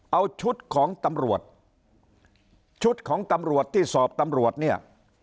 เอาชุดของตำรวจชุดของตำรวจที่สอบตำรวจเนี่ย